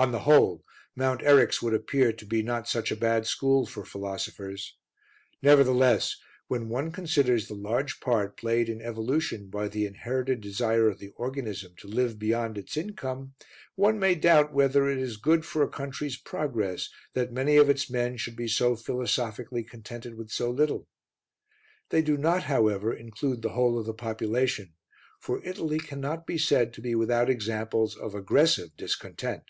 On the whole, Mount Eryx would appear to be not such a bad school for philosophers: nevertheless, when one considers the large part played in evolution by the inherited desire of the organism to live beyond its income, one may doubt whether it is good for a country's progress that many of its men should be so philosophically contented with so little. They do not, however, include the whole of the population, for Italy cannot be said to be without examples of aggressive discontent.